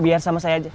biar sama saya aja